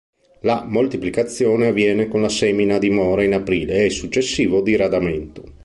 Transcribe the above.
La moltiplicazione avviene con la semina a dimora in aprile e successivo diradamento.